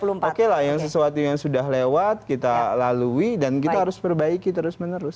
oke lah yang sesuatu yang sudah lewat kita lalui dan kita harus perbaiki terus menerus